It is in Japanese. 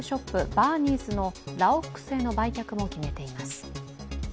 バーニーズのラオックスへの売却も決めています。